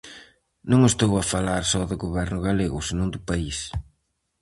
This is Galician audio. Non estou a falar só do goberno galego, senón do país.